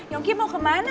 yungki mau kemana